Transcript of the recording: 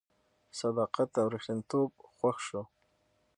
صداقت او ریښتینتوب خوښ شو.